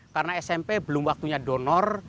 karena smp belum waktunya donor